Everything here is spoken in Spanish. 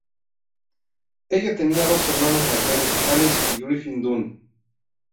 Ella tenía dos hermanos mayores, Alex y Griffin Dunne.